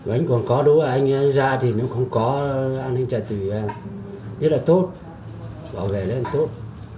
anh còn có đối với anh ra thì nếu không có an ninh trật tự rất là tốt bảo vệ lên tốt